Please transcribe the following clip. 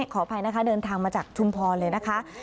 ขออภัยนะคะเดินทางมาจากชุมพรเลยนะคะ